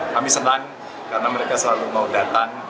kami senang karena mereka selalu mau datang